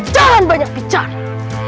jangan banyak bicara